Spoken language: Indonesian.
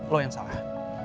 lo yang salah